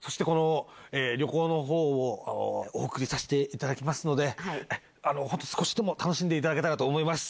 お贈りさせていただきますので少しでも楽しんでいただけたらと思います。